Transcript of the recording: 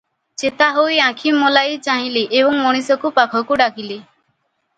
ଚେତା ହୋଇ ଆଖି ମେଲାଇ ଚାହିଁଲେ ଏବଂ ମଣିକୁ ପାଖକୁ ଡାକିଲେ ।